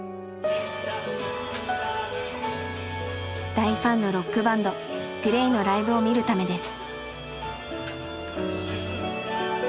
大ファンのロックバンドＧＬＡＹのライブを見るためです。